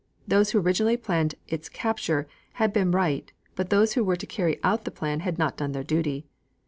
Those who originally planned its capture had been right, but those who were to carry out the plan had not done their duty.